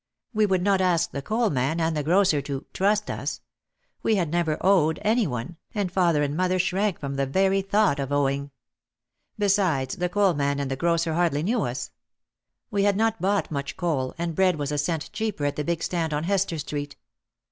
We would not ask the coal man and the grocer to "trust" us. We had never owed any one, and father and mother shrank from the very thought of owing. Besides, the coal man and the grocer hardly knew us. We had not bought much coal and bread was a cent cheaper at the big stand on Hester Street.